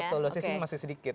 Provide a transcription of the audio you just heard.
betul dosisnya masih sedikit